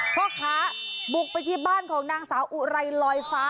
พ่อค้าบุกไปที่บ้านของนางสาวอุไรลอยฟ้า